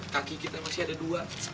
kaki kita masih ada dua